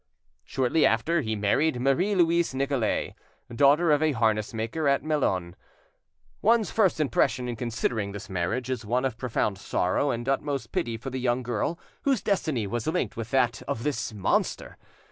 Shortly after, he married Marie Louise Nicolais; daughter of a harness maker at Melun. One's first impression in considering this marriage is one of profound sorrow and utmost pity for the young girl whose destiny was linked with that of this monster.